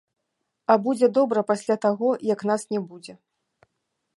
А будзе добра пасля таго, як нас не будзе.